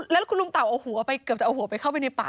แล้วคุณลุงเต่าเอาหัวไปเกือบจะเอาหัวไปเข้าไปในป่า